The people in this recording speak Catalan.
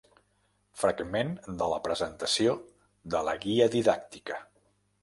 Fragment de la Presentació de la guia didàctica.